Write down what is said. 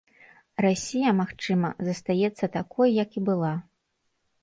Расія, магчыма, застаецца такой, як і была.